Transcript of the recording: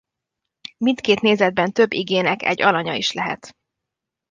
Mindkét nézetben több igének egy alanya is lehet.